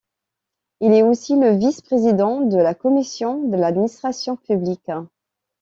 Il est aussi le Vice-président de la Commission de l'administration publique.